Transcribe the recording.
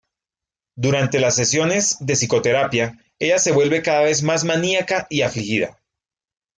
Durante las sesiones de psicoterapia, ella se vuelve cada vez más maníaca y afligida.